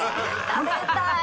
食べたい！